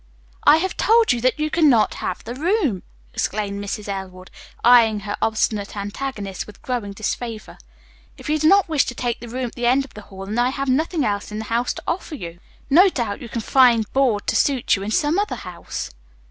"I have told you that you can not have the room," exclaimed Mrs. Elwood, eyeing her obstinate antagonist with growing disfavor. "If you do not wish to take the room at the end of the hall, then I have nothing else in the house to offer you. No doubt you can find board to suit you in some other house."